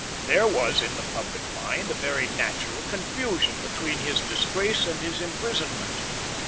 There was in the public mind a very natural confusion between his disgrace and his imprisonment.